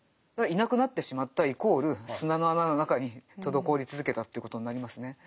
いなくなってしまったイコール砂の穴の中に滞り続けたということになりますね。